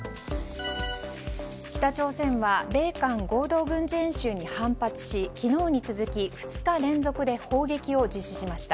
北朝鮮は米韓合同軍事演習に反発し昨日に続き２日連続で砲撃を実施しました。